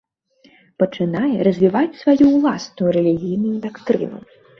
Пачынае развіваць сваю ўласную рэлігійную дактрыну.